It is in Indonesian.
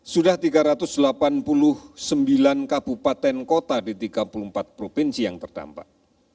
sudah tiga ratus delapan puluh sembilan kabupaten kota di tiga puluh empat provinsi yang terdampak